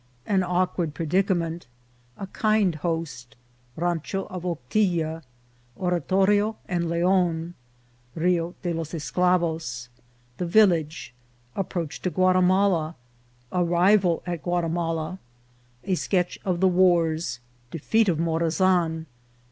— An awkward Predica ment.—A kind Host.— Rancho of Hoctilla.— Oratorio and Leon.— Rio de los Esclavos. — The Village. — Approach to Guatimala. — Arrival at Guatimala. — A Sketch of the Wars. — Defeat of Morazan.